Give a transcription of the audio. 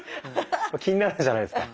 気になるじゃないですか。